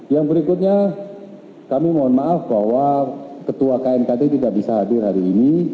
yang berikutnya kami mohon maaf bahwa ketua knkt tidak bisa hadir hari ini